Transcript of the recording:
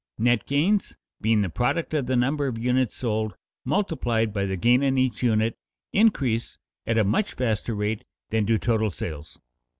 Net gains, being the product of the number of units sold multiplied by the gain on each unit, increase at a much faster rate than do total sales.